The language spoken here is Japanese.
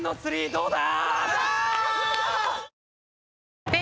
どうだ？